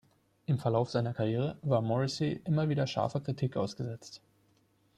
Im Verlauf seiner Karriere war Morrissey immer wieder scharfer Kritik ausgesetzt.